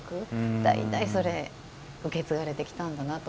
代々、それを受け継がれてきたんだなと。